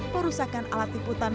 perusakan alat tiputan